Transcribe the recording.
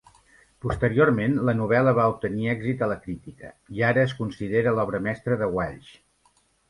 Posteriorment, la novel·la va obtenir èxit a la crítica, i ara es considera l'obra mestra de Welsh.